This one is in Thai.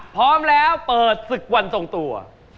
พร้อมแล้วเปิดศึกวันทรงตัว